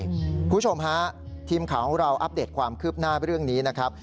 คุณผู้ชมฮะทีมข่าวของเราอัปเดตความคืบหน้าเรื่องนี้นะครับ